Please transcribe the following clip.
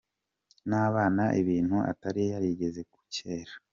n’abana, ibintu atari yarigeze kuva kera.